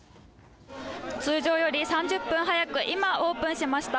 通常より３０分早く今、オープンしました。